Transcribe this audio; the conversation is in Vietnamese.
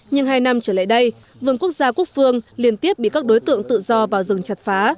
nhưng hai năm trở lại đây vườn quốc gia quốc phương liên tiếp bị các đối tượng tự do vào rừng chặt phá